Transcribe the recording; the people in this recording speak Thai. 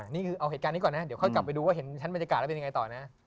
นี่คือเอาเหตุการณ์นี้ก่อนนะเดี๋ยวค่อยกลับไปดูว่าเห็นชั้นบรรยากาศแล้วเป็นยังไงต่อนะ